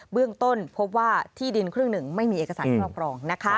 เบื้องต้นพบว่าที่ดินครึ่งหนึ่งไม่มีเอกสารครอบครอง